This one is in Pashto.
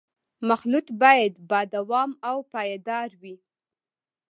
مخلوط باید با دوام او پایدار وي